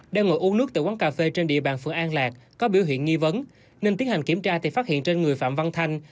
đang ngồi uống nước tại quán cà phê trên địa bàn phường an lạc có biểu hiện nghi vấn nên tiến hành kiểm tra thì phát hiện trên người phạm văn thanh